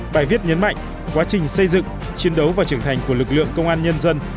bài viết nhấn mạnh quá trình xây dựng chiến đấu và trưởng thành của lực lượng công an nhân dân